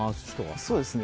そうですね。